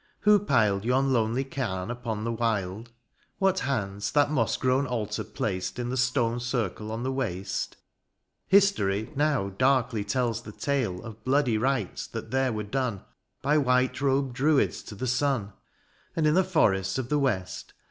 Who piled Yon lonely cam upon the wild ? What hands that moss grown altar placed In the stone circle on the waste ? History now darkly tells the tale Of bloody rites that there were done. By white robed druids to the sun. {c) And in the forests of the west.